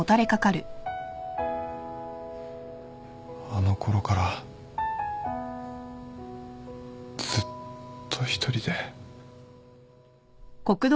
あのころからずっと一人で。